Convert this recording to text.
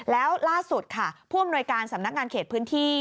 แล้วล่าสุดค่ะผู้อำนวยการสำนักงานเขตพื้นที่